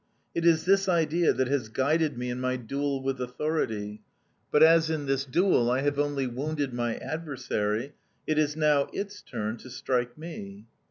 It is this idea that has guided me in my duel with authority, but as in this duel I have only wounded my adversary, it is now its turn to strike me.